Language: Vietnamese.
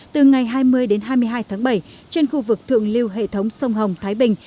từ ngày hai mươi đến hai mươi hai tháng bảy trên khu vực thượng lưu hệ thống sông hồng thái bình